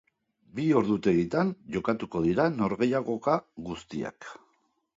Bi ordutegitan jokatuko dira norgehiagoka guztiak.